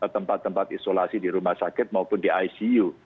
tempat tempat isolasi di rumah sakit maupun di icu